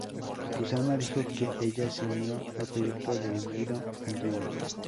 Kusama dijo que ella se unió al proyecto debido al guion.